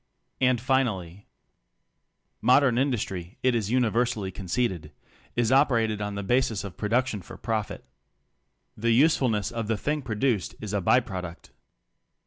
AND FINALLY Modern industry, it is universally conceded, is operated on the basis of production for profit. The usefulness of th^ thing produced is a by product.